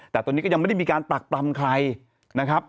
แต่ตอนนี้ก็ยังไม่ได้มีการปรักปรำใครนะครับ